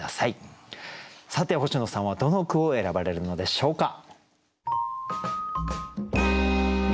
さて星野さんはどの句を選ばれるのでしょうか？